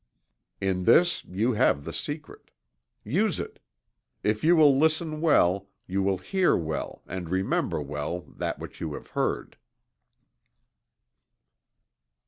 In this you have the secret. Use it. If you will listen well, you will hear well and remember well that which you have heard.